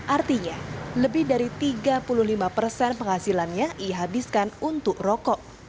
artinya lebih dari tiga puluh lima persen penghasilannya ia habiskan untuk rokok